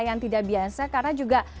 yang tidak biasa karena juga